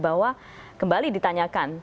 bahwa kembali ditanyakan